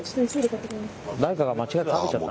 誰かが間違って食べちゃった。